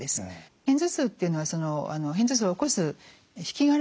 片頭痛っていうのはその片頭痛を起こす引き金ですね